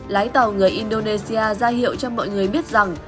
lái tàu người indonesia ra hiệu cho mọi người biết rằng